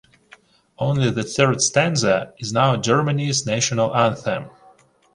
Only the third stanza is now Germany's national anthem.